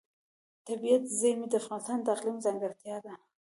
طبیعي زیرمې د افغانستان د اقلیم ځانګړتیا ده.